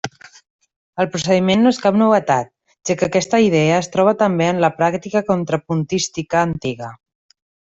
El procediment no és cap novetat, ja que aquesta idea es troba també en la pràctica contrapuntística antiga.